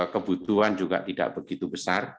kebutuhan juga tidak begitu besar